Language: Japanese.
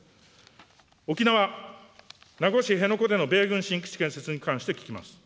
沖縄・名護市辺野古での米軍新基地建設に関して聞きます。